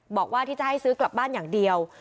บอกว่าที่จะให้ซื้อกลับบ้านอย่างเดียว